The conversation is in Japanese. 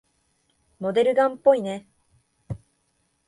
モデルガンっぽいね。